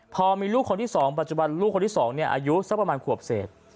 พอมีลูกคนที่๒ปัจจุบันลูกคนที่๒อายุสักประมาณขวบเศษ